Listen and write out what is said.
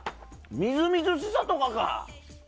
みずみずしさとかが。